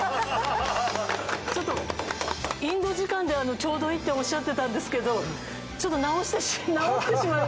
ちょっとインド時間でちょうどいいっておっしゃってたんですけどちょっと直ってしまいまして。